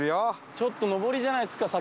ちょっと上りじゃないですか先。